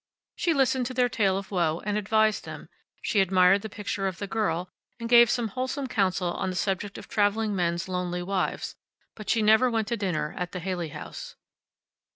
She listened to their tale of woe, and advised them; she admired the picture of the girl, and gave some wholesome counsel on the subject of traveling men's lonely wives; but she never went to dinner at the Haley House.